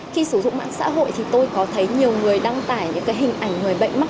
khi sử dụng mạng xã hội thì tôi có thấy nhiều người đăng tải những cái hình ảnh người bệnh mắc